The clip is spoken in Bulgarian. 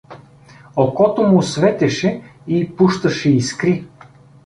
Окото му светеше и пущаше искри.